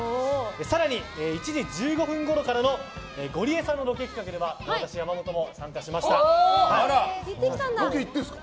更に、１時１５分ごろからのゴリエさんのロケ企画には私、山本も参加しました。